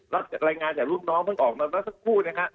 รายงานจากลูกน้องเพิ่งออกมาแล้วสักครู่นะครับ